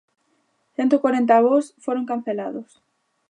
Cento corenta voos foron cancelados.